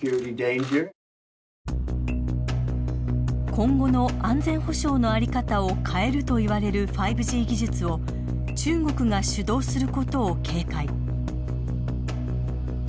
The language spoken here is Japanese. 今後の安全保障の在り方を変えるといわれる５Ｇ技術を中国が主導することを警戒。